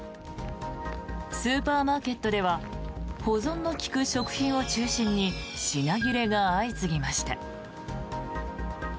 スーパーマーケットでは保存の利く食品を中心に品切れが相次ぎました。